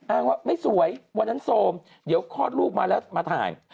อ้างว่าไม่สวยวันนั้นโซมเดี๋ยวคลอดลูกมาแล้วมาถ่าย